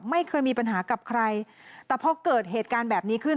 ไม่เคยมีปัญหากับใครแต่พอเกิดเหตุการณ์แบบนี้ขึ้น